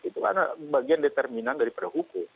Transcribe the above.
karena bagian determinan dari perhukum